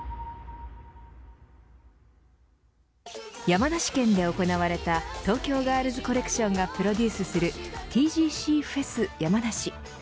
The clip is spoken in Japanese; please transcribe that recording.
山梨県で行われた東京ガールズコレクションがプロデュースするＴＧＣフェス山梨。